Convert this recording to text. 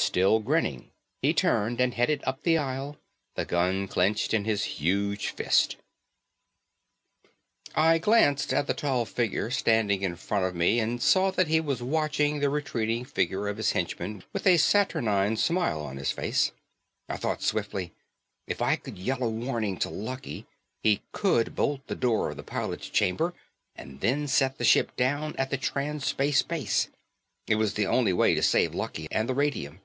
Still grinning he turned and headed up the aisle, the gun clenched in his huge fist. I glanced at the tall figure standing in front of me and saw that he was watching the retreating figure of his henchman with a saturnine smile on his face. I thought swiftly. If I could yell a warning to Lucky, he could bolt the door of the pilot's chamber and then set the ship down at the Trans Space base. It was the only way to save Lucky and the radium.